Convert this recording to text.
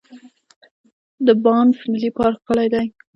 د بانف ملي پارک ښکلی دی.